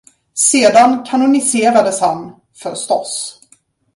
Sedan kanoniserades han, förstås.